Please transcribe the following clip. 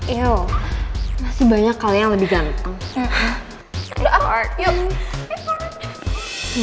ya masih banyak kali yang lebih ganteng